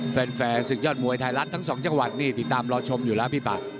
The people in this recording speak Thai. แฟนศึกยอดมวยไทยรัฐทั้งสองจังหวัดนี่ติดตามรอชมอยู่แล้วพี่ปัด